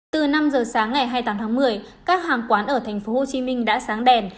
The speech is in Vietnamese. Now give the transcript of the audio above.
từ năm giờ sáng ngày hai mươi tám tháng một mươi các hàng quán ở thành phố hồ chí minh đã sáng đèn